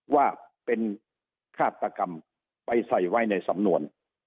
ว่าเป็นฆาตกรรมไปใส่ไว้ในสำนวน